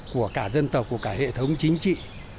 của cả dân tộc của cả hệ thống chính trị